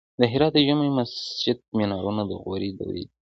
د هرات د جمعې مسجد مینارونه د غوري دورې دي